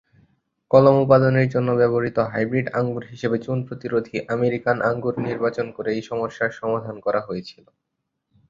কলম উপাদানের জন্য ব্যবহৃত হাইব্রিড আঙ্গুর হিসেবে চুন-প্রতিরোধী আমেরিকান আঙ্গুর নির্বাচন করে এই সমস্যার সমাধান করা হয়েছিল।